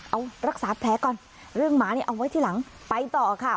เอารักษาแผลก่อนเรื่องหมาเนี่ยเอาไว้ที่หลังไปต่อค่ะ